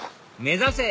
目指せ